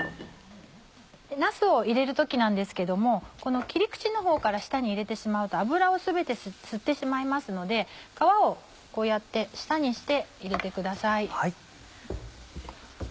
なすを入れる時なんですけどもこの切り口のほうから下に入れてしまうと油を全て吸ってしまいますので皮をこうやって下にして入れてください。